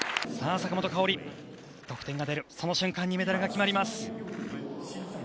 坂本花織、得点が出るその瞬間にメダルが決まります。